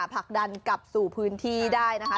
ผลักดันกลับสู่พื้นที่ได้นะคะ